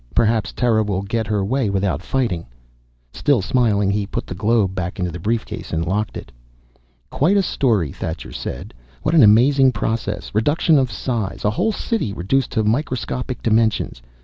Perhaps Terra will get her way without fighting." Still smiling, he put the globe back into the briefcase and locked it. "Quite a story," Thacher said. "What an amazing process, reduction of size A whole City reduced to microscopic dimensions.